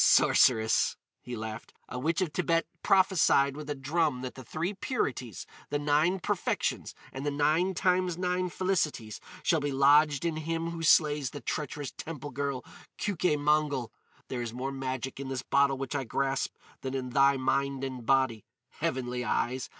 "Sorceress," he laughed, "a witch of Thibet prophesied with a drum that the three purities, the nine perfections, and the nine times nine felicities shall be lodged in him who slays the treacherous temple girl, Keuke Mongol! There is more magic in this bottle which I grasp than in thy mind and body. Heavenly Eyes!